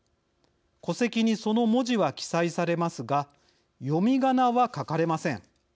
戸籍にその文字は記載されますが読みがなは書かれません。